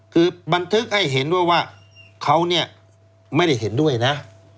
คือบันทึกให้เห็นด้วยว่าเขาเนี่ยไม่ได้เห็นด้วยนะ